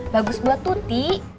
bagus buat tuti